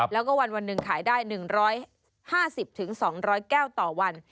แล้วก็วันหนึ่งขายได้๑๕๐๒๐๐แก้วต่อวัน